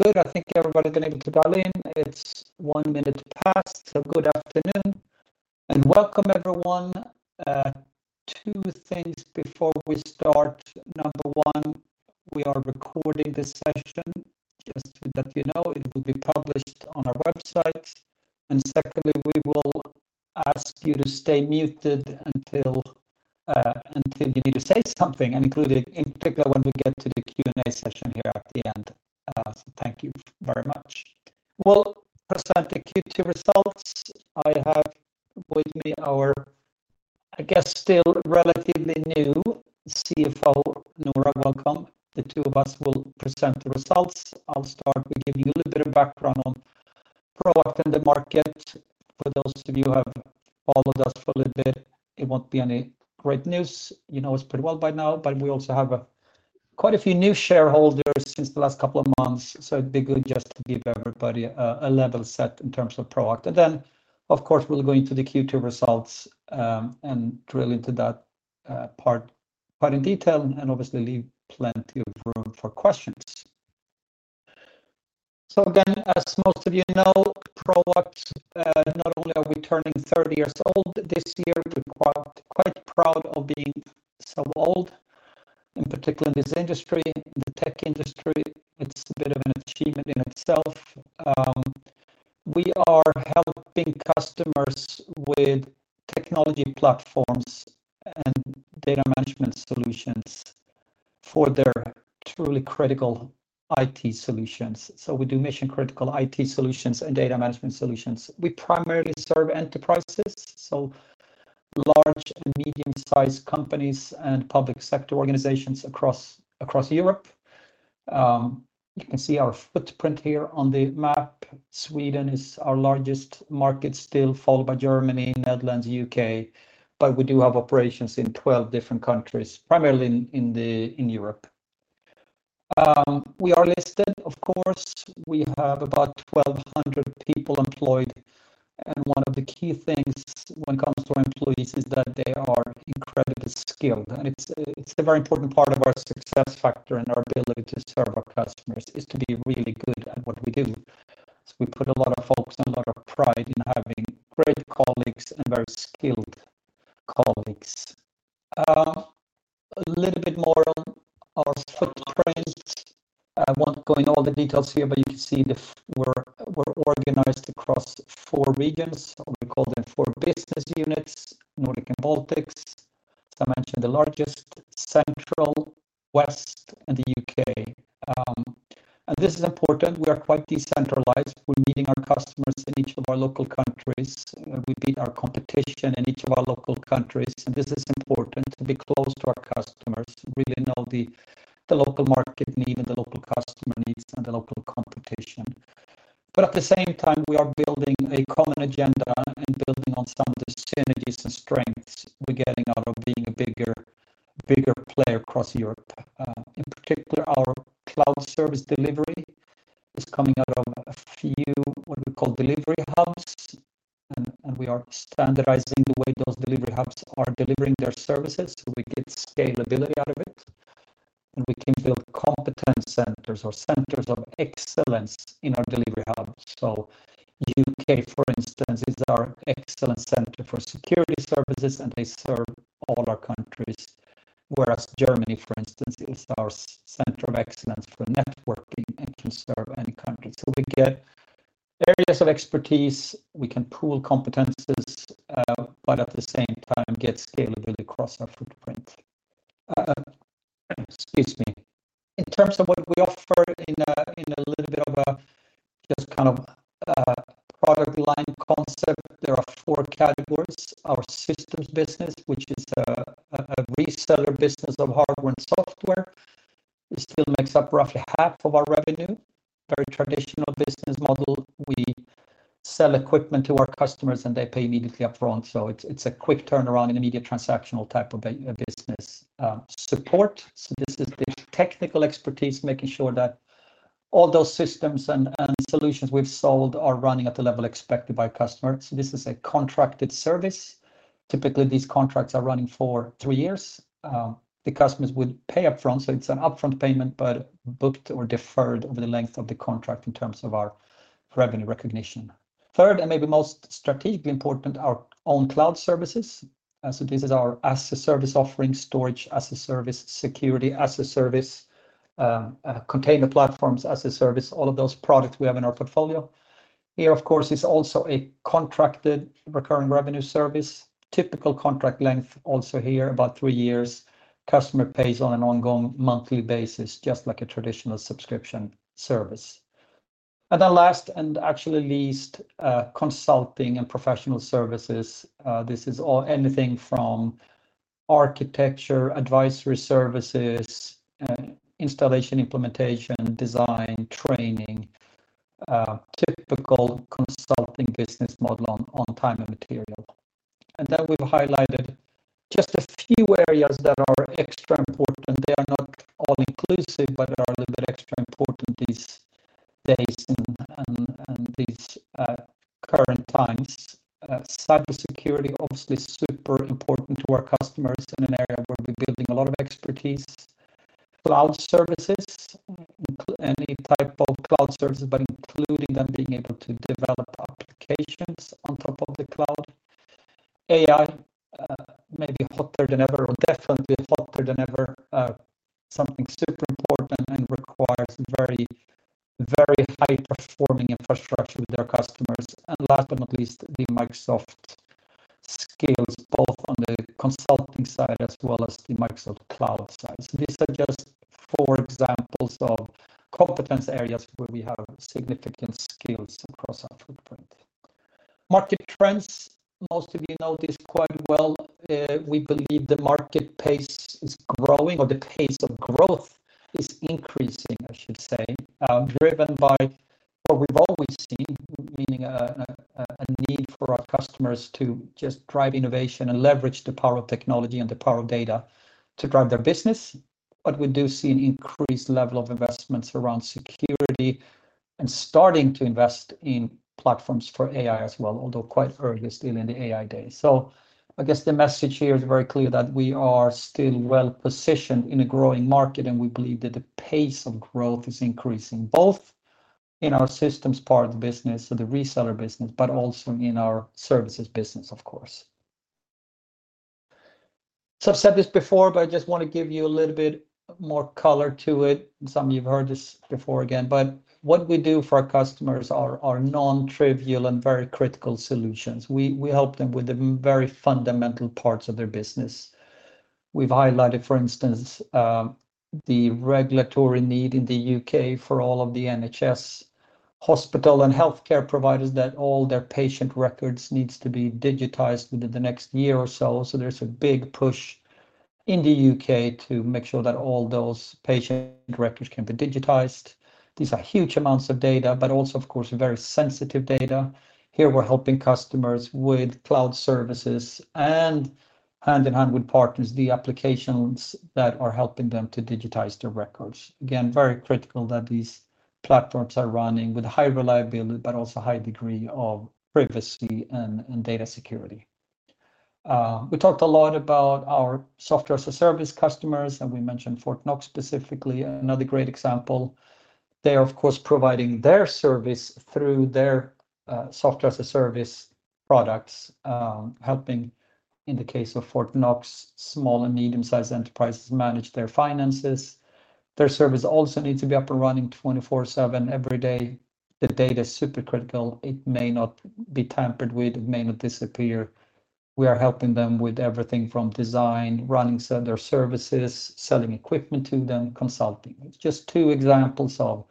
All right, good. I think everybody's been able to dial in. It's one minute past, so good afternoon, and welcome, everyone. Two things before we start. Number one, we are recording this session. Just to let you know, it will be published on our website. And secondly, we will ask you to stay muted until you need to say something, and including, in particular, when we get to the Q&A session here at the end. So thank you very much. We'll present the Q2 results. I have with me our, I guess, still relatively new CFO, Noora. Welcome. The two of us will present the results. I'll start with giving you a little bit of background on Proact and the market. For those of you who have followed us for a little bit, it won't be any great news. You know us pretty well by now, but we also have quite a few new shareholders since the last couple of months, so it'd be good just to give everybody a level set in terms of Proact. And then, of course, we'll go into the Q2 results and drill into that part in detail, and obviously leave plenty of room for questions. So again, as most of you know, Proact, not only are we turning 30 years old this year, we're quite, quite proud of being so old, in particular in this industry, in the tech industry. It's a bit of an achievement in itself. We are helping customers with technology platforms and data management solutions for their truly critical IT solutions. So we do mission-critical IT solutions and data management solutions. We primarily serve enterprises, so large and medium-sized companies and public sector organizations across Europe. You can see our footprint here on the map. Sweden is our largest market still, followed by Germany, Netherlands, UK, but we do have operations in 12 different countries, primarily in Europe. We are listed, of course. We have about 1,200 people employed, and one of the key things when it comes to our employees is that they are incredibly skilled. It's a very important part of our success factor and our ability to serve our customers to be really good at what we do. So we put a lot of focus and a lot of pride in having great colleagues and very skilled colleagues. A little bit more on our footprint. I won't go into all the details here, but you can see we're organized across four regions, or we call them four business units, Nordic and Baltics, as I mentioned, the largest, Central, West, and the UK. This is important, we are quite decentralized. We're meeting our customers in each of our local countries. We beat our competition in each of our local countries, and this is important to be close to our customers, really know the local market need and the local customer needs and the local competition. But at the same time, we are building a common agenda and building on some of the synergies and strengths we're getting out of being a bigger, bigger player across Europe. In particular, our cloud service delivery is coming out of a few, what we call delivery hubs, and we are standardizing the way those delivery hubs are delivering their services, so we get scalability out of it. We can build competence centers or centers of excellence in our delivery hubs. UK, for instance, is our excellence center for security services, and they serve all our countries, whereas Germany, for instance, is our center of excellence for networking and can serve any country. We get areas of expertise, we can pool competencies, but at the same time, get scalability across our footprint. Excuse me. In terms of what we offer in a little bit of a just kind of product line concept, there are four categories: our systems business, which is a reseller business of hardware and software. It still makes up roughly half of our revenue. Very traditional business model. We sell equipment to our customers, and they pay immediately upfront, so it's a quick turnaround, an immediate transactional type of a business. Support, so this is the technical expertise, making sure that all those systems and solutions we've sold are running at the level expected by customers. So this is a contracted service. Typically, these contracts are running for three years. The customers will pay upfront, so it's an upfront payment, but booked or deferred over the length of the contract in terms of our revenue recognition. Third, and maybe most strategically important, our own cloud services. So this is our as a service offering, storage as a service, security as a service, container platforms as a service, all of those products we have in our portfolio. Here, of course, is also a contracted recurring revenue service. Typical contract length also here, about three years. Customer pays on an ongoing monthly basis, just like a traditional subscription service. And then last, and actually least, consulting and professional services. This is all, anything from architecture, advisory services, installation, implementation, design, training, typical consulting business model on time and material. And then we've highlighted just a few areas that are extra important. They are not all inclusive, but they are a little bit extra important, these days and these current times. Cybersecurity obviously super important to our customers and an area where we're building a lot of expertise. Cloud services, including any type of cloud services, but including them being able to develop applications on top of the cloud. AI, maybe hotter than ever, or definitely hotter than ever, something super important and requires very, very high-performing infrastructure with their customers. And last but not least, the Microsoft skills, both on the consulting side as well as the Microsoft cloud side. So these are just four examples of competence areas where we have significant skills across our footprint. Market trends, most of you know this quite well, we believe the market pace is growing or the pace of growth is increasing, I should say, driven by what we've always seen, meaning a need for our customers to just drive innovation and leverage the power of technology and the power of data to drive their business. But we do see an increased level of investments around security and starting to invest in platforms for AI as well, although quite early still in the AI days. So I guess the message here is very clear that we are still well-positioned in a growing market, and we believe that the pace of growth is increasing, both in our systems part of the business, so the reseller business, but also in our services business, of course. So I've said this before, but I just wanna give you a little bit more color to it. Some of you've heard this before again, but what we do for our customers are non-trivial and very critical solutions. We help them with the very fundamental parts of their business. We've highlighted, for instance, the regulatory need in the UK for all of the NHS hospital and healthcare providers, that all their patient records needs to be digitized within the next year or so. So there's a big push in the UK to make sure that all those patient records can be digitized. These are huge amounts of data, but also, of course, very sensitive data. Here, we're helping customers with cloud services, and hand-in-hand with partners, the applications that are helping them to digitize their records. Again, very critical that these platforms are running with high reliability, but also a high degree of privacy and, and data security. We talked a lot about our software as a service customers, and we mentioned Fortnox specifically. Another great example, they are, of course, providing their service through their software as a service products, helping, in the case of Fortnox, small and medium-sized enterprises manage their finances. Their service also needs to be up and running 24/7 every day. The data is super critical. It may not be tampered with, it may not disappear. We are helping them with everything from design, running center services, selling equipment to them, consulting. It's just two examples of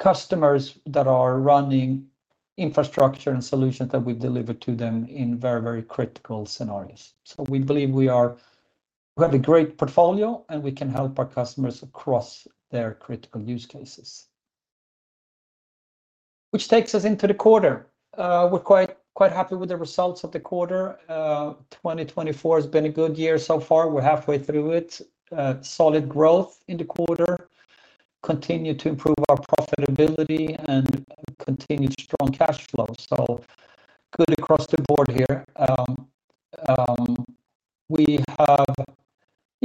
customers that are running infrastructure and solutions that we've delivered to them in very, very critical scenarios. So we believe we have a great portfolio, and we can help our customers across their critical use cases. Which takes us into the quarter. We're quite, quite happy with the results of the quarter. 2024 has been a good year so far. We're halfway through it. Solid growth in the quarter, continue to improve our profitability, and continued strong cash flow. So good across the board here. We have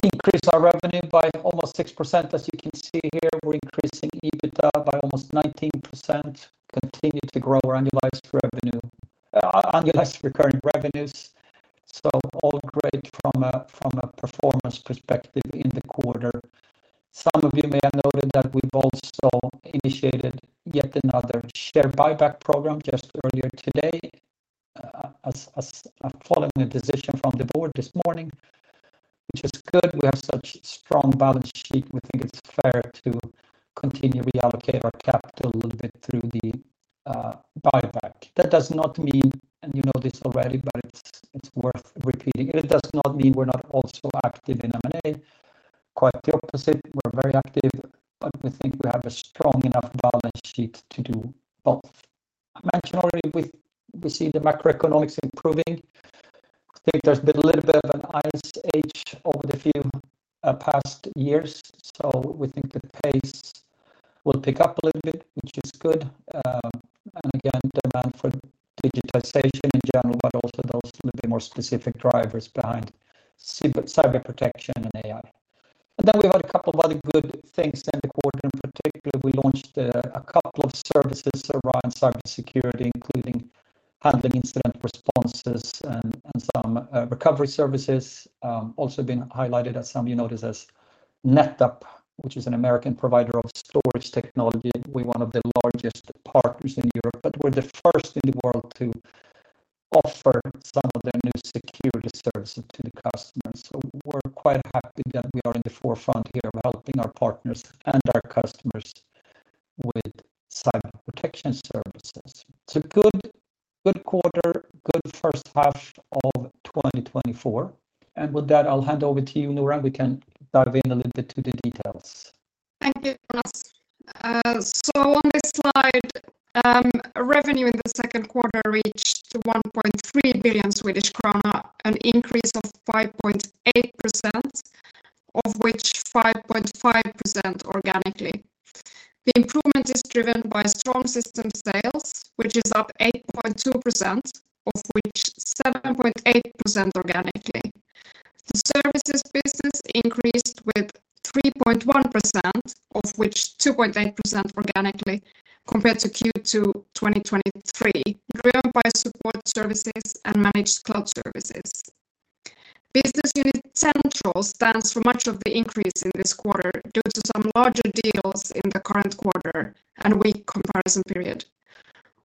increased our revenue by almost 6%. As you can see here, we're increasing EBITDA by almost 19%, continue to grow our annualized revenue, annualized recurring revenues. So all great from a performance perspective in the quarter. Some of you may have noted that we've also initiated yet another share buyback program just earlier today, as following a decision from the board this morning, which is good. We have such strong balance sheet. We think it's fair to continue reallocate our capital a little bit through the buyback. That does not mean, and you know this already, but it's worth repeating. It does not mean we're not also active in M&A. Quite the opposite, we're very active, but we think we have a strong enough balance sheet to do both. I mentioned already, we see the macroeconomics improving. I think there's been a little bit of an ice age over the few past years, so we think the pace will pick up a little bit, which is good. And again, demand for digitization in general, but also those little bit more specific drivers behind cyber protection and AI. And then we've had a couple of other good things in the quarter. In particular, we launched a couple of services around cybersecurity, including handling incident responses and some recovery services. Also been highlighted, as some of you know this, as NetApp, which is an American provider of storage technology. We're one of the largest partners in Europe, but we're the first in the world to offer some of their new security services to the customers. So we're quite happy that we are in the forefront here of helping our partners and our customers with cyber protection services. It's a good, good quarter, good first half of 2024. And with that, I'll hand over to you, Noora, and we can dive in a little bit to the details. Thank you, Jonas. On this slide, revenue in the second quarter reached 1.3 billion Swedish krona, an increase of 5.8%. Of which 5.5% organically. The improvement is driven by strong system sales, which is up 8.2%, of which 7.8% organically. The services business increased with 3.1%, of which 2.8% organically, compared to Q2 2023, driven by support services and managed cloud services. Business Unit Central stands for much of the increase in this quarter due to some larger deals in the current quarter and weak comparison period.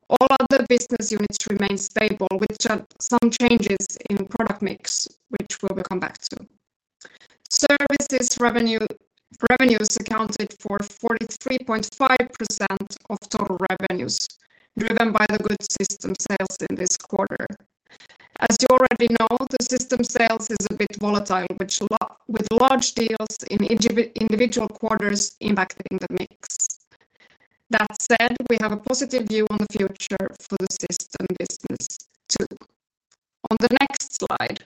All other business units remain stable, with some changes in product mix, which we will come back to. Services revenue, revenues accounted for 43.5% of total revenues, driven by the good system sales in this quarter. As you already know, the system sales is a bit volatile, which with large deals in individual quarters impacting the mix. That said, we have a positive view on the future for the system business, too. On the next slide,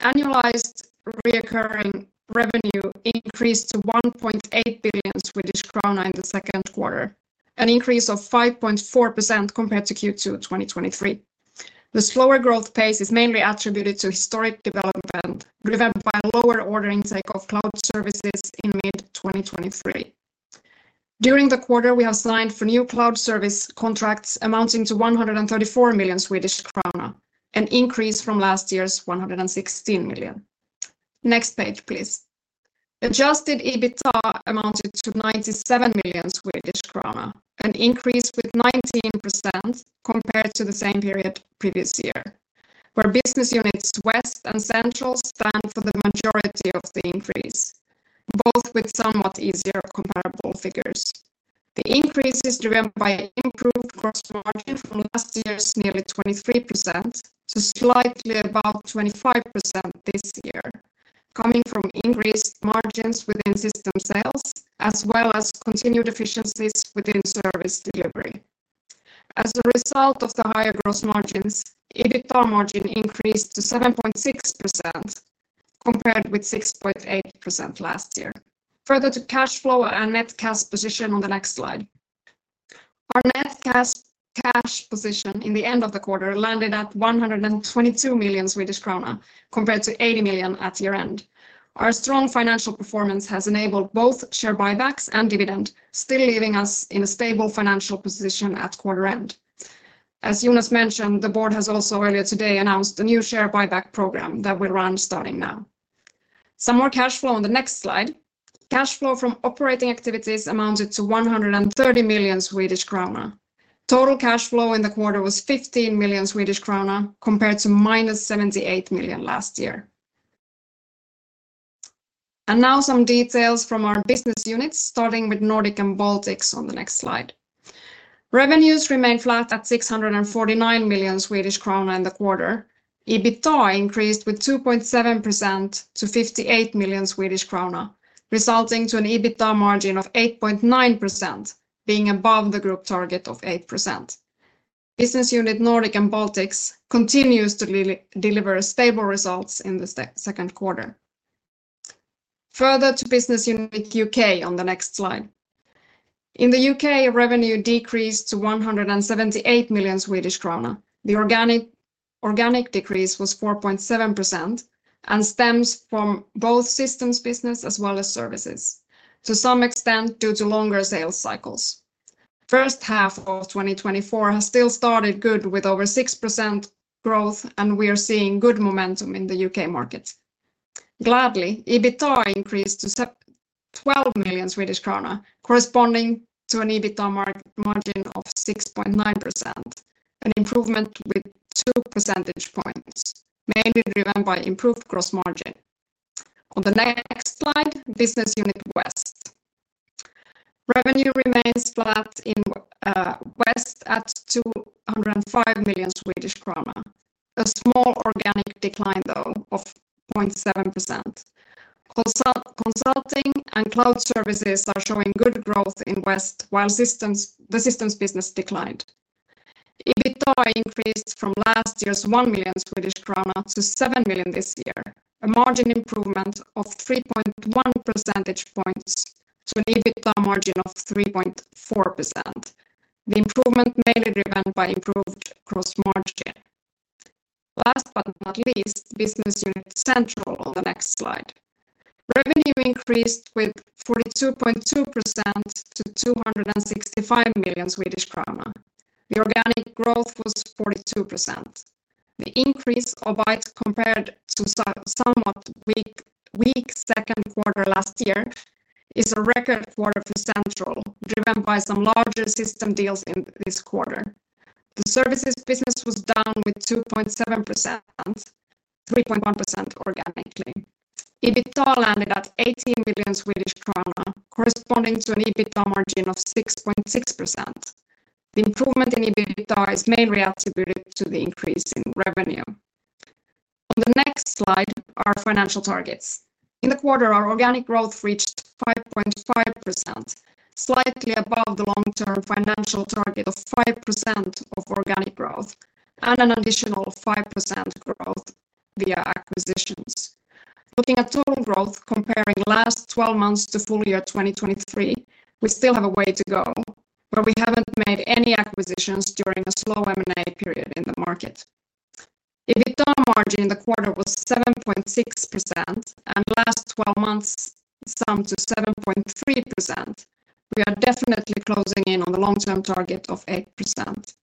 annualized recurring revenue increased to 1.8 billion Swedish krona in the second quarter, an increase of 5.4% compared to Q2 2023. The slower growth pace is mainly attributed to historic development, driven by lower order intake of cloud services in mid-2023. During the quarter, we have signed for new cloud service contracts amounting to 134 million Swedish krona, an increase from last year's 116 million. Next page, please. Adjusted EBITDA amounted to 97 million Swedish krona, an increase with 19% compared to the same period previous year, where business units West and Central stand for the majority of the increase, both with somewhat easier comparable figures. The increase is driven by improved gross margin from last year's nearly 23% to slightly above 25% this year, coming from increased margins within system sales, as well as continued efficiencies within service delivery. As a result of the higher gross margins, EBITDA margin increased to 7.6%, compared with 6.8% last year. Further to cash flow and net cash position on the next slide. Our net cash, cash position in the end of the quarter landed at 122 million Swedish krona, compared to 80 million at year-end. Our strong financial performance has enabled both share buybacks and dividend, still leaving us in a stable financial position at quarter end. As Jonas mentioned, the board has also earlier today announced a new share buyback program that will run starting now. Some more cash flow on the next slide. Cash flow from operating activities amounted to 130 million Swedish krona. Total cash flow in the quarter was 15 million Swedish krona, compared to -78 million last year. And now some details from our business units, starting with Nordic and Baltics on the next slide. Revenues remained flat at 649 million Swedish kronor in the quarter. EBITDA increased with 2.7% to 58 million Swedish krona, resulting to an EBITDA margin of 8.9%, being above the group target of 8%. Business Unit Nordic and Baltics continues to deliver stable results in the second quarter. Further to Business Unit UK on the next slide. In the UK, revenue decreased to 178 million Swedish krona. The organic, organic decrease was 4.7% and stems from both systems business as well as services, to some extent due to longer sales cycles. First half of 2024 has still started good, with over 6% growth, and we are seeing good momentum in the UK market. Gladly, EBITDA increased to 12 million Swedish krona, corresponding to an EBITDA margin of 6.9%, an improvement with 2 percentage points, mainly driven by improved gross margin. On the next slide, Business Unit West. Revenue remains flat in West at 205 million Swedish krona. A small organic decline, though, of 0.7%. Consulting and cloud services are showing good growth in West, while systems, the systems business declined. EBITDA increased from last year's 1 million Swedish krona to 7 million this year, a margin improvement of 3.1 percentage points, to an EBITDA margin of 3.4%. The improvement mainly driven by improved gross margin. Last but not least, Business Unit Central on the next slide. Revenue increased with 42.2% to 265 million Swedish krona. The organic growth was 42%. The increase of it compared to somewhat weak second quarter last year, is a record quarter for Central, driven by some larger system deals in this quarter. The services business was down with 2.7%, 3.1% organically. EBITDA landed at 18 million Swedish krona, corresponding to an EBITDA margin of 6.6%. The improvement in EBITDA is mainly attributed to the increase in revenue. On the next slide, our financial targets. In the quarter, our organic growth reached 5.5%, slightly above the long-term financial target of 5% of organic growth... and an additional 5% growth via acquisitions. Looking at total growth, comparing last 12 months to full year 2023, we still have a way to go, but we haven't made any acquisitions during a slow M&A period in the market. EBITDA margin in the quarter was 7.6%, and last 12 months summed to 7.3%. We are definitely closing in on the long-term target of 8%.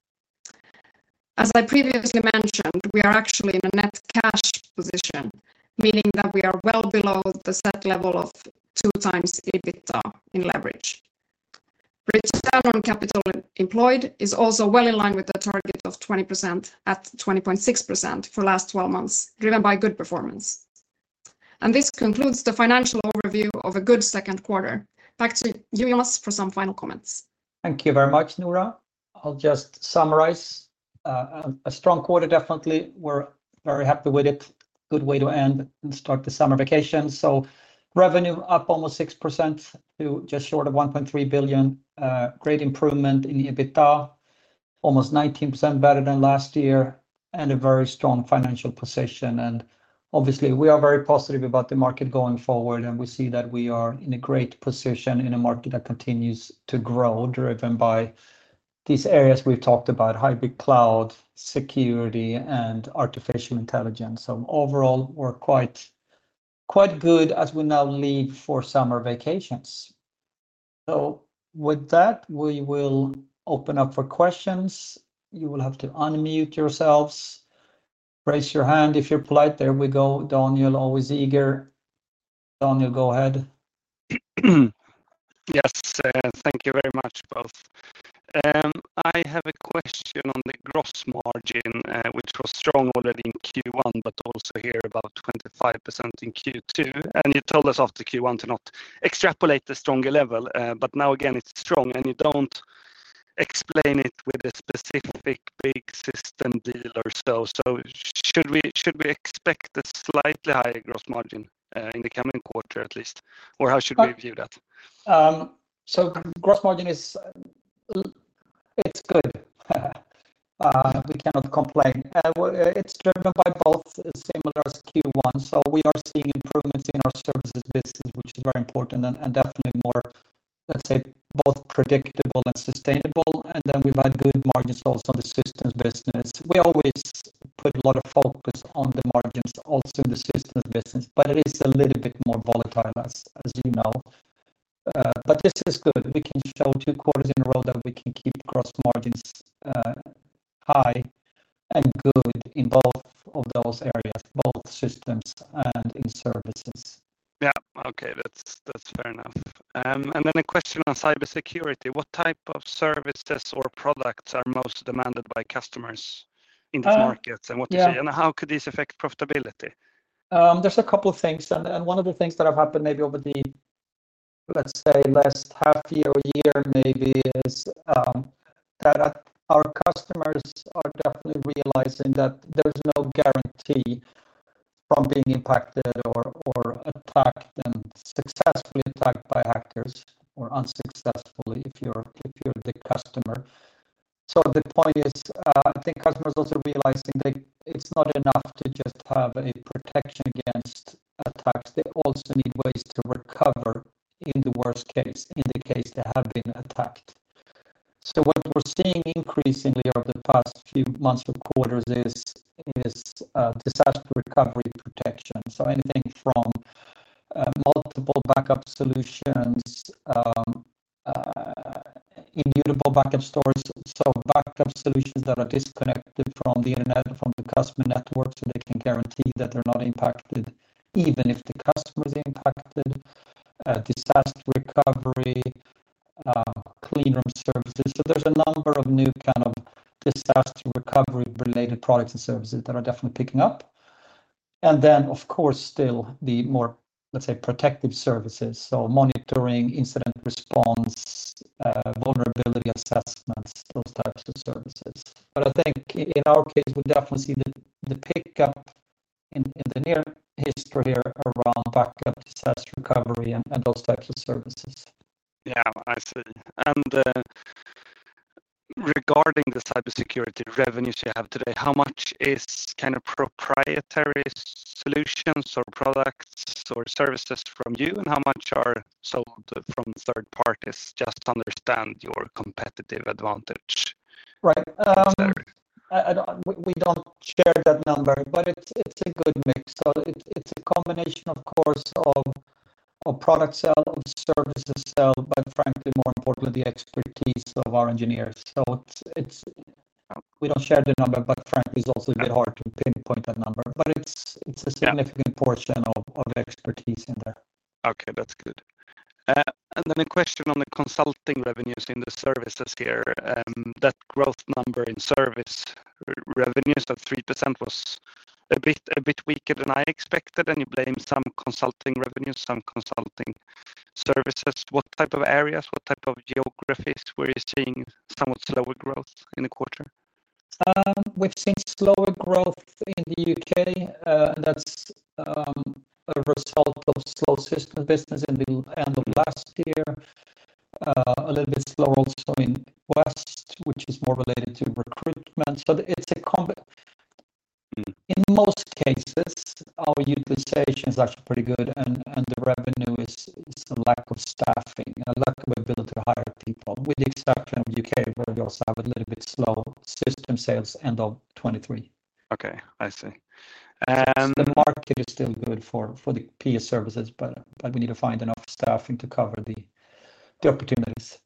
As I previously mentioned, we are actually in a net cash position, meaning that we are well below the set level of 2x EBITDA in leverage. Return on capital employed is also well in line with the target of 20% at 20.6% for the last 12 months, driven by good performance. This concludes the financial overview of a good second quarter. Back to you, Jonas, for some final comments. Thank you very much, Noora. I'll just summarize. A strong quarter, definitely. We're very happy with it. Good way to end and start the summer vacation. So revenue up almost 6% to just short of 1.3 billion. Great improvement in the EBITDA, almost 19% better than last year, and a very strong financial position. And obviously, we are very positive about the market going forward, and we see that we are in a great position in a market that continues to grow, driven by these areas we've talked about, hybrid cloud, security, and artificial intelligence. So overall, we're quite, quite good as we now leave for summer vacations. So with that, we will open up for questions. You will have to unmute yourselves. Raise your hand if you're polite. There we go. Daniel, always eager. Daniel, go ahead. Yes, thank you very much, both. I have a question on the gross margin, which was strong already in Q1, but also here, about 25% in Q2. And you told us after Q1 to not extrapolate the stronger level, but now again, it's strong, and you don't explain it with a specific big system deal. So, should we expect a slightly higher gross margin, in the coming quarter, at least? Or how should we view that? So gross margin is, it's good. We cannot complain. Well, it's driven by both, similar as Q1. So we are seeing improvements in our services business, which is very important and, and definitely more, let's say, both predictable and sustainable. And then we've had good margins also in the systems business. We always put a lot of focus on the margins, also in the systems business, but it is a little bit more volatile, as, as you know. But this is good. We can show two quarters in a row that we can keep gross margins, high and good in both of those areas, both systems and in services. Yeah. Okay, that's fair enough. And then a question on cybersecurity. What type of services or products are most demanded by customers in the markets? And what you see, and how could this affect profitability? There's a couple of things, and one of the things that have happened, maybe over the, let's say, last half year or year maybe, is that our customers are definitely realizing that there's no guarantee from being impacted or attacked and successfully attacked by hackers, or unsuccessfully, if you're the customer. So the point is, I think customers are also realizing that it's not enough to just have a protection against attacks. They also need ways to recover in the worst case, in the case they have been attacked. So what we're seeing increasingly over the past few months or quarters is disaster recovery protection. So anything from multiple backup solutions, immutable backup storage, so backup solutions that are disconnected from the internet, from the customer network, so they can guarantee that they're not impacted, even if the customer is impacted. Disaster recovery, cleanroom services. So there's a number of new kind of disaster recovery-related products and services that are definitely picking up. And then, of course, still the more, let's say, protective services, so monitoring, incident response, vulnerability assessments, those types of services. But I think in our case, we definitely see the pickup in the near history around backup, disaster recovery, and those types of services. Yeah, I see. And, regarding the cybersecurity revenues you have today, how much is kind of proprietary solutions or products or services from you, and how much are sold from third parties, just to understand your competitive advantage? Right. Sorry. We don't share that number, but it's a good mix. So it's a combination, of course, of product sale, of services sale, but frankly, more importantly, the expertise of our engineers. So it's—we don't share the number, but frankly, it's also a bit hard to pinpoint that number. But it's significant portion of expertise in there. Okay, that's good. And then a question on the consulting revenues in the services here. That growth number in service revenues, that 3%, was a bit, a bit weaker than I expected, and you blame some consulting revenues, some consulting services. What type of areas, what type of geographies were you seeing somewhat slower growth in the quarter? We've seen slower growth in the UK. That's a result of slow system business in the end of last year. A little bit slow also in West, which is more related to recruitment. So it's in most cases, our utilization is actually pretty good, and the revenue is a lack of staffing, a lack of ability to hire people, with the exception of UK, where we also have a little bit slow system sales end of 2023. Okay, I see. The market is still good for the PS services, but we need to find enough staffing to cover the opportunities.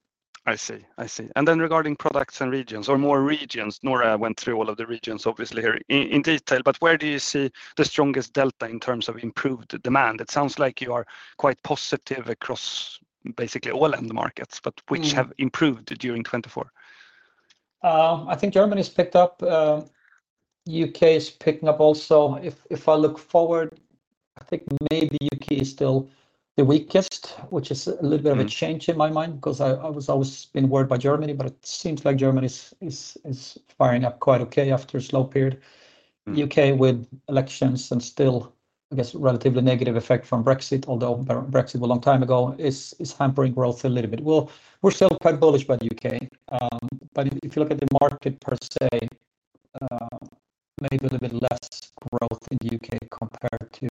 I see. I see. And then regarding products and regions or more regions, Noora went through all of the regions, obviously, here in detail, but where do you see the strongest delta in terms of improved demand? It sounds like you are quite positive across basically all end markets but which have improved during 2024? I think Germany's picked up. UK is picking up also. If I look forward, I think maybe UK is still the weakest, which is a little bit of a change in my mind, 'cause I was always been worried about Germany, but it seems like Germany is firing up quite okay after a slow period. UK with elections and still, I guess, relatively negative effect from Brexit, although Brexit a long time ago, is hampering growth a little bit. Well, we're still quite bullish about UK. But if you look at the market, per se, maybe a little bit less growth in the UK compared to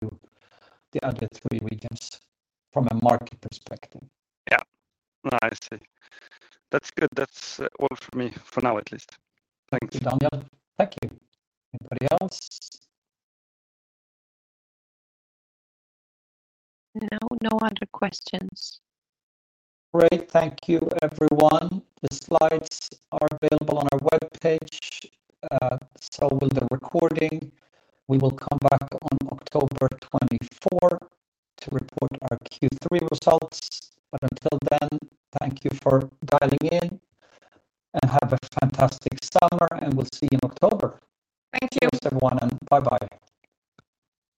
the other three regions from a market perspective. Yeah. No, I see. That's good. That's all from me, for now, at least. Thanks. Good, Daniel. Thank you. Anybody else? No, no other questions. Great. Thank you, everyone. The slides are available on our webpage, so will the recording. We will come back on October 24 to report our Q3 results, but until then, thank you for dialing in, and have a fantastic summer, and we'll see you in October. Thank you. Thanks, everyone, and bye-bye.